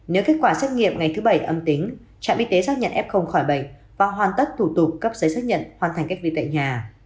nếu kết quả xét nghiệm ngày thứ bảy âm tính trạm y tế xác nhận f khỏi bệnh và hoàn tất thủ tục cấp giấy xác nhận hoàn thành cách ly tại nhà